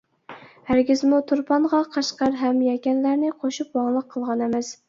ھەرگىزمۇ تۇرپانغا قەشقەر ھەم يەكەنلەرنى قوشۇپ ۋاڭلىق قىلغان ئەمەس.